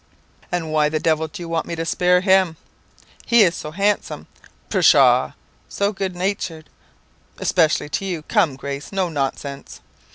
"'And why the devil do you want me to spare him?' "'He is so handsome!' "'Pshaw!' "'So good natured!' "'Especially to you. Come, Grace; no nonsense.